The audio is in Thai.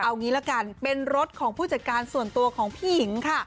เอางี้ละกันเป็นรถของผู้จัดการส่วนตัวของพี่หญิงค่ะ